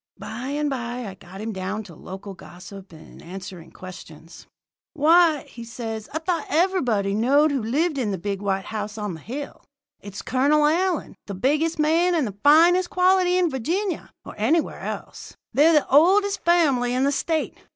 "By and by I got him down to local gossip and answering questions. "'Why,' says he, 'I thought everybody knowed who lived in the big white house on the hill. It's Colonel Allyn, the biggest man and the finest quality in Virginia, or anywhere else. They're the oldest family in the State.